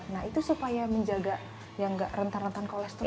nah itu supaya menjaga yang tidak rentar rentar kolesterol